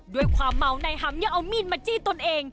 ด้วยความเมานายหำยังเอามีดมาจี้ตนเอง